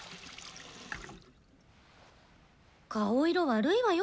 顔色悪いわよ